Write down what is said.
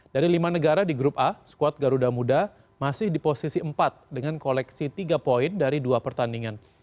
dari lima negara di grup a squad garuda muda masih di posisi empat dengan koleksi tiga poin dari dua pertandingan